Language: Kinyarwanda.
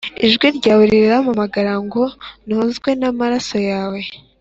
Ijwi ryawe rirampamagara ngo nozwe n’amaraso yawe